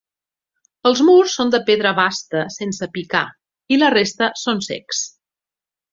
Els murs són de pedra basta sense picar i la resta són cecs.